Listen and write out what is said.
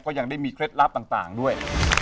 ยังได้มีเคล็ดลับต่างด้วย